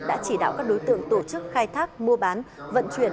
đã chỉ đạo các đối tượng tổ chức khai thác mua bán vận chuyển